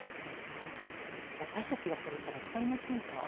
私たちがそろったら分かりませんか？